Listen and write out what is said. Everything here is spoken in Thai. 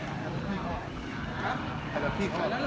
อันที่สุดท้ายก็คือภาษาอันที่สุดท้าย